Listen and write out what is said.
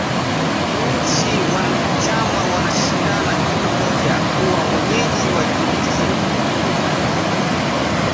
Nchi wanachama wanashindana kila mmoja kuwa mwenyeji wa Jumuiya, wakijiweka vizuri kupata kivutio cha uwekezaji mkubwa wa mtaji wa kigeni.